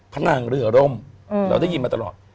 พระนางเรือร่มเราได้ยินมาตลอด